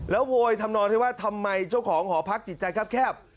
โวยทำนอนให้ว่าทำไมเจ้าของหอพักจิตใจแคบ